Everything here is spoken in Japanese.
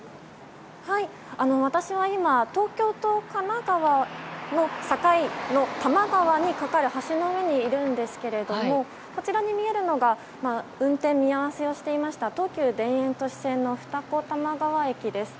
私は今、東京と神奈川の境の多摩川に架かる橋の上にいるんですがこちらに見えるのが運転見合わせをしていた東急田園都市線の二子玉川駅です。